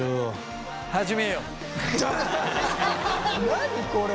何これ？